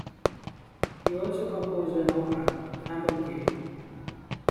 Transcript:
He also composed an opera, "Amilcare".